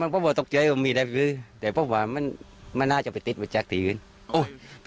ผมตกเจยว่ามีศพแต่ผมว่ามันน่าจะไปติ๊ดวิจักรทีนึง